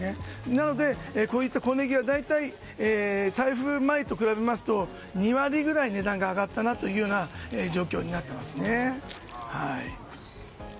なので、こういった小ネギは台風前と比べますと２割ぐらい値段が上がったなという状況になっていますね。